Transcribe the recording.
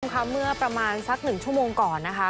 ค่ะเมื่อประมาณสัก๑ชั่วโมงก่อนนะคะ